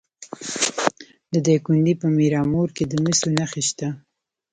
د دایکنډي په میرامور کې د مسو نښې شته.